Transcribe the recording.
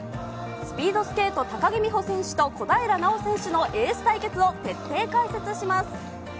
スピードスケート、高木美帆選手と小平奈緒選手のエース対決を徹底解説します。